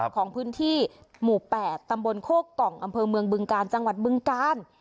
ของพื้นที่หมู่๘ตำบลโคกกล่องอำเภอเมืองบึงกาลจังหวัดบึงกาล